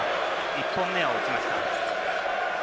１本目は落ちました。